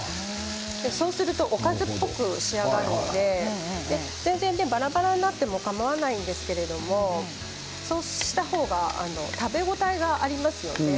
そうすると、おかずっぽく仕上がるので全然ばらばらになってもかまわないんですけれどもそうした方が食べ応えがありますよね。